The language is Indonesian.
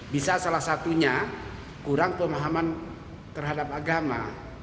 bisa salah satunya kurang pemahaman terhadap agama